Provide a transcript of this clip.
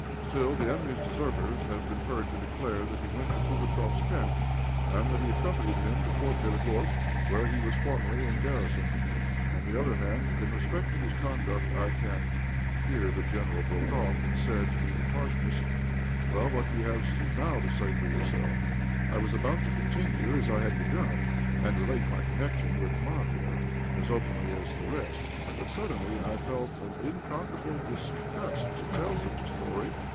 Still the enemy's deserters have been heard to declare that he went to Pugatchéf's camp, and that he accompanied him to Fort Bélogorsk, where he was formerly in garrison. On the other hand, in respect to his conduct I can " Here the General broke off, and said to me with harshness "Well, what have you to say now for yourself?" I was about to continue as I had begun, and relate my connection with Marya as openly as the rest. But suddenly I felt an unconquerable disgust to tell such a story.